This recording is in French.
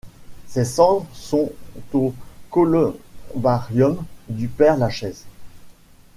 Ses cendres sont au Columbarium du Père-Lachaise.